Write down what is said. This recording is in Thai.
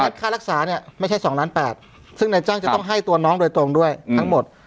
ด้านลงไม่ใช่๒ล้าน๘เนื้อซึ่งนายจ้างต้องให้ตัวน้องโดยตรงด้วยทั้งหมด